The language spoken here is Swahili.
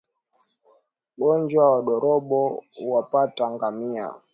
Ugonjwa ndorobo huwapata ngamia